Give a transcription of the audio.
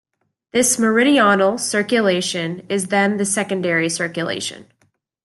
This meridional circulation is then the secondary circulation.